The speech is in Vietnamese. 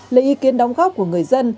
lấy ý kiến đóng góp của người dân